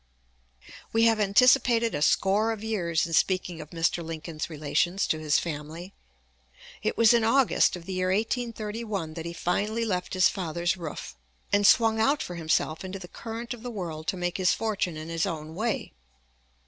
We have anticipated a score of years in speaking of Mr. Lincoln's relations to his family. It was in August of the year 1831 that he finally left his father's roof, and swung out for himself into the current of the world to make his fortune in his own way.